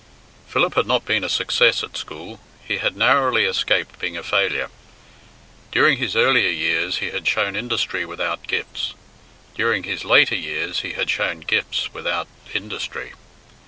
Philip had not been a success at school; he had narrowly escaped being a failure. During his earlier years he had shown industry without gifts; during his later years he had shown gifts without industry.